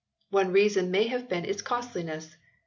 One reason may have been its costliness.